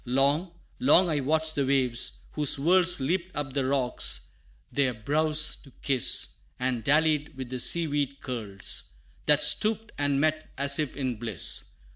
Long, long I watched the waves, whose whirls Leaped up the rocks, their brows to kiss, And dallied with the sea weed curls, That stooped and met, as if in bliss.